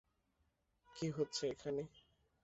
কি হচ্ছে এখানে।